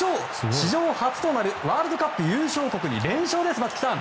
史上初となるワールドカップ優勝国に連勝です、松木さん。